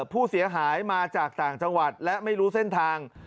ผู้เสียหายมาจากต่างจังหวัดและไม่รู้เส้นทาง